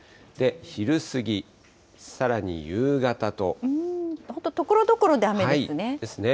昼過ぎ、本当、ところどころで雨ですですね。